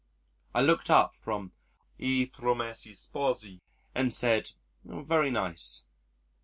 I looked up from "I Promessi Sposi" and said "Very nice."